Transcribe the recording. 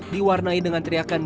diwarnai dengan teriakan